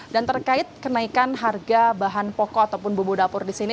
dan terkait kenaikan harga bahan pokok ataupun bumbu dapur disini